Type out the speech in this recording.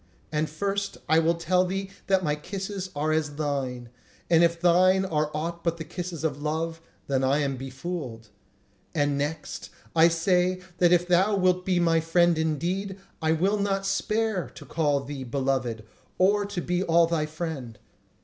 And first, I will tell thee that my kisses are as thine; and if thine are aught but the kisses of love, then am I befooled. And next, I say that if thou wilt be my friend indeed, I will not spare to call thee beloved, or to be all thy friend.